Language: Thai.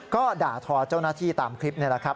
ก็ด่าทอเจ้าหน้าที่ตามคลิปนี่แหละครับ